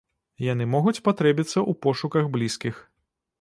Яны могуць спатрэбіцца ў пошуках блізкіх.